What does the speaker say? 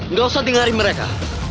nggak usah dengarin mereka